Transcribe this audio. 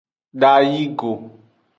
Dayi go.